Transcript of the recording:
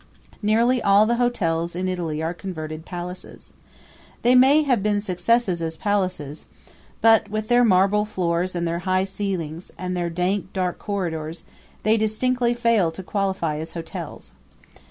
Nearly all the hotels in Italy are converted palaces. They may have been successes as palaces, but, with their marble floors and their high ceilings, and their dank, dark corridors, they distinctly fail to qualify as hotels.